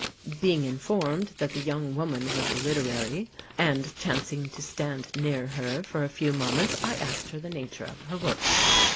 Being informed that the young woman was "literary," and chancing to stand near her for a few moments, I asked her the nature of her work.